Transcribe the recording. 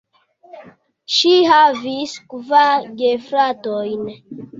Ŝi havis kvar gefratojn.